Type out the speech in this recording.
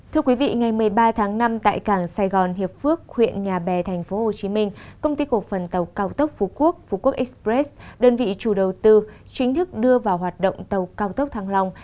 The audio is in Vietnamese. thưa quý vị ngày một mươi ba tháng năm tại cảng sài gòn hiệp phước huyện nhà bè tp hcm công ty cổ phần tàu cao tốc phú quốc phú quốc express đơn vị chủ đầu tư chính thức đưa vào hoạt động tàu cao tốc thăng long